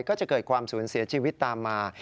ก็จะเกิดความสูญเสียชีวิตตามมา